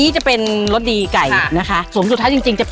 ใช่เลยใช่ค่ะ